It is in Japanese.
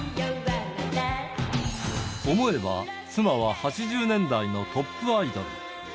思えば、妻は８０年代のトップアイドル。